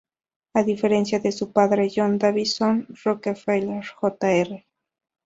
A diferencia de su padre, John Davison Rockefeller Jr.